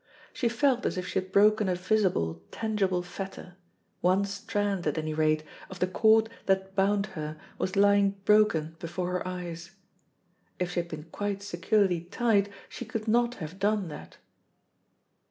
She felt as if she had broken a visible, tangible fetter one strand, at any rate, of the cord that hound her was lying broken before her eyes. If she had been quite securely tied she could not have done that..